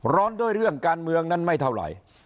ร้อนด้วยเรื่องการเมืองนั้นไม่เท่าไหร่